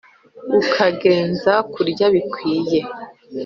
ukagenza kurya bikwiye